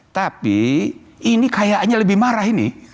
tapi ini kayaknya lebih marah ini